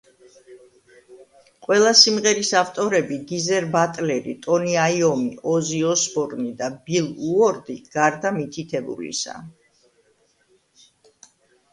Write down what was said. ყველა სიმღერის ავტორები: გიზერ ბატლერი, ტონი აიომი, ოზი ოსბორნი და ბილ უორდი, გარდა მითითებულისა.